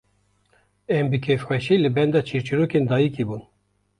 Em bi kêfxweşî li benda çîrçîrokên dayîkê bûn